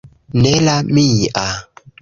Ne la mia...